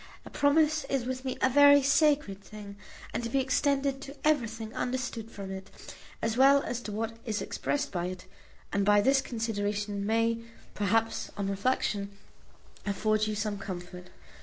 A promise is with me a very sacred thing, and to be extended to everything understood from it, as well as to what is expressed by it; and this consideration may, perhaps, on reflection, afford you some comfort.